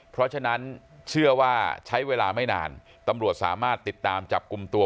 เพราะฉะนั้นเชื่อว่าใช้เวลาไม่นานตำรวจสามารถติดตามจับกลุ่มตัว